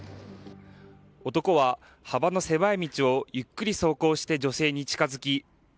男は幅の狭い道をゆっくり走行して女性に近づき